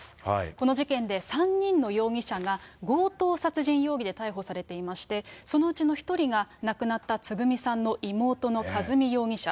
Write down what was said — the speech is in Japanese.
この事件で、３人の容疑者が強盗殺人容疑で逮捕されていまして、そのうちの１人が亡くなったつぐみさんの妹の和美容疑者。